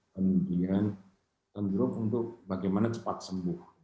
kemudian cenderung untuk bagaimana cepat sembuh